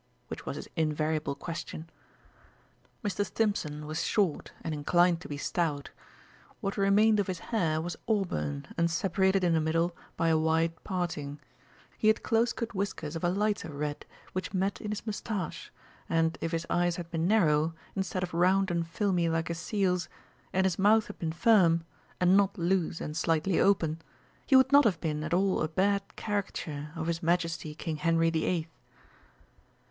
which was his invariable question. Mr. Stimpson was short and inclined to be stout. What remained of his hair was auburn and separated in the middle by a wide parting; he had close cut whiskers of a lighter red, which met in his moustache, and if his eyes had been narrow, instead of round and filmy like a seal's, and his mouth had been firm, and not loose and slightly open, he would not have been at all a bad caricature of his Majesty King Henry the Eighth.